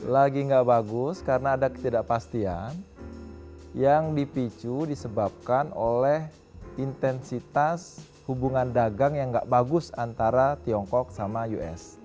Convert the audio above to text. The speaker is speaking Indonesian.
lagi nggak bagus karena ada ketidakpastian yang dipicu disebabkan oleh intensitas hubungan dagang yang gak bagus antara tiongkok sama us